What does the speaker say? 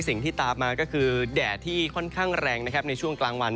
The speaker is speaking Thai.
สิ่งที่ตามมาก็คือแดดที่ค่อนข้างแรงนะครับในช่วงกลางวัน